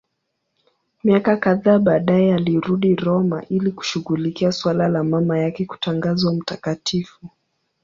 Miaka kadhaa baadaye alirudi Roma ili kushughulikia suala la mama yake kutangazwa mtakatifu.